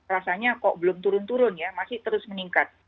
rasanya kok belum turun turun ya masih terus meningkat